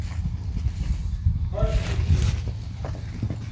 Xweş gotiye.